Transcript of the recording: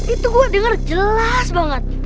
itu gue dengar jelas banget